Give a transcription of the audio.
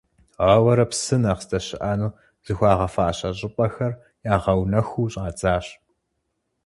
Ауэрэ, псы нэхъ здэщыӏэну зыхуагъэфащэ щӏыпӏэхэр ягъэунэхуу щӏадзащ.